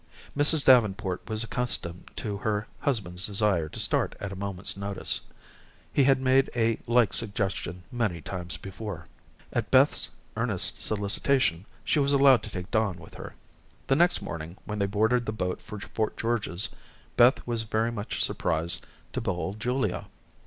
Mrs. Davenport was accustomed to her husband's desire to start at a moment's notice. He had made a like suggestion many times before. At Beth's earnest solicitation, she was allowed to take Don with her. The next morning, when they boarded the boat for Fort George's, Beth was very much surprised to behold Julia.